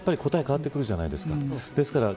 質問の仕方で答えが変わってくるじゃないですか。